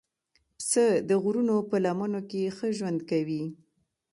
پسه د غرونو په لمنو کې ښه ژوند کوي.